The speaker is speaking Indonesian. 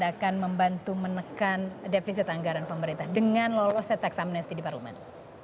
bagaimana cara anda membantu menekan defisit anggaran pemerintah dengan lolosan tech amnesty di parlumen